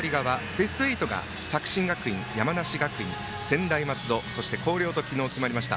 ベスト８が作新学院、山梨学院、専大松戸そして、広陵と昨日決まりました。